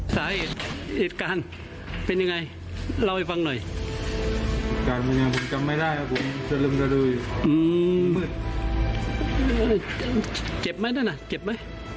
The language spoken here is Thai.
เจ็บไหมนั่นน่ะเจ็บไหม